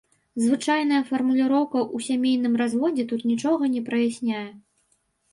Звычайная фармуліроўка ў сямейным разводзе тут нічога не праясняе.